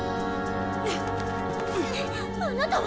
あなたは？